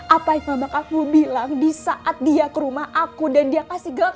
apa yang bapak aku bilang di saat dia ke rumah aku dan dia kasih gelap